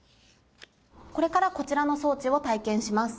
これからこちらの装置を体験します。